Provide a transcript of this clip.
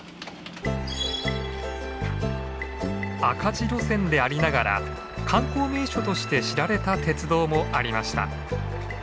赤字路線でありながら観光名所として知られた鉄道もありました。